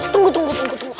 tunggu tunggu tunggu